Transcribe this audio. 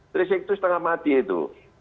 tracing itu setengah mati itu